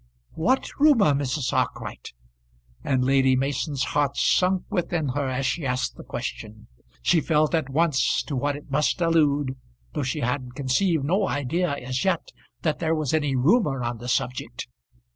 "What rumour, Mrs. Arkwright?" And Lady Mason's heart sunk within her as she asked the question. She felt at once to what it must allude, though she had conceived no idea as yet that there was any rumour on the subject.